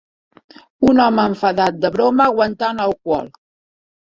un home enfadat de broma aguantant alcohol